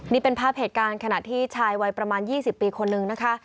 นี่เป็นภาพเหตุการณ์ขณะที่ชายวัยประมาณ๒๐ปีคนนึงนะคะ